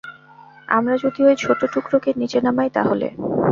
আমরা যদি ঐ ছোট টুকরোকে নিচে নামাই তাহলে?